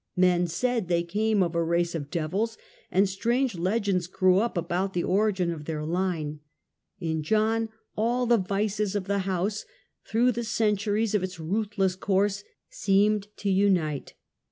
Men said they came of a race of devils, and strange legends grew up about the origin of their line. In John all the vices of the house, through the centuries of its ruthless course, seemed to unite.